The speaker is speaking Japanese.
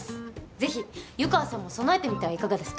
是非湯川さんも備えてみてはいかがですか？